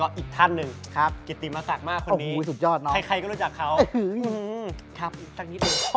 เอาอีกทีนะเอาใหม่ไม่ต้อง